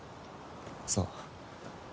そう。